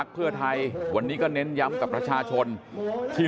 เพื่อไทยวันนี้ก็เน้นย้ำกับประชาชนที่